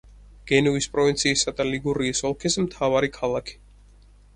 გენუის პროვინციისა და ლიგურიის ოლქის მთავარი ქალაქი.